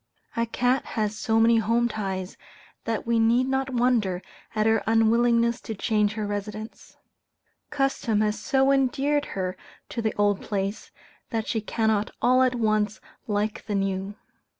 A cat has so many home ties, that we need not wonder at her unwillingness to change her residence. Custom has so endeared her to the old place, that she cannot all at once like the new.